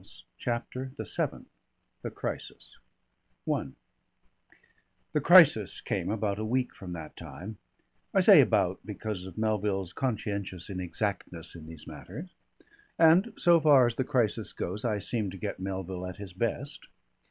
CHAPTER THE SEVENTH THE CRISIS I The crisis came about a week from that time I say about because of Melville's conscientious inexactness in these matters. And so far as the crisis goes, I seem to get Melville at his best.